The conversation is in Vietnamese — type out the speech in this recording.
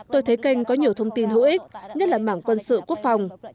tôi thấy kênh có nhiều thông tin hữu ích nhất là mảng quân sự quốc phòng